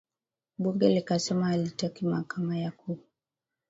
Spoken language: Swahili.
bunge likasema halitaki mahakama ya kuhu